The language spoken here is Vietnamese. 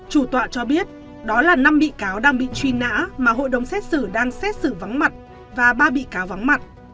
chủ tọa cho biết đó là năm bị cáo đang bị truy nã mà hội đồng xét xử đang xét xử vắng mặt và ba bị cáo vắng mặt